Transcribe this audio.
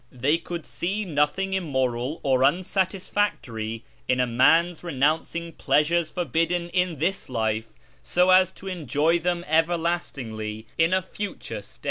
They could see nothing immoral or unsatisfactory in a man's renouncing pleasures forbidden in this life so as to enjoy them everlastingly in a future state.